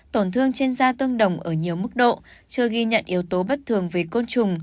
tổn thương trên da tương đồng ở nhiều mức độ chưa ghi nhận yếu tố bất thường về côn trùng